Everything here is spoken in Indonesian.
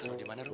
terus dimana rum